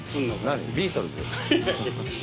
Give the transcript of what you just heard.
何ビートルズ？いや。